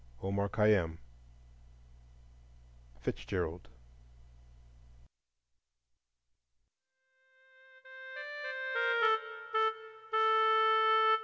OMAR KHAYYÁM (FITZGERALD).